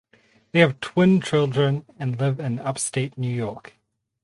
They have twin children and live in upstate New York.